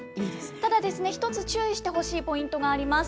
ただ、１つ注意してほしいポイントがあります。